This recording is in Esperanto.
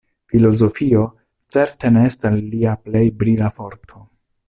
Filozofio certe ne estas lia plej brila forto.